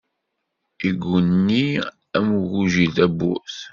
Igguni am ugujil tabburt.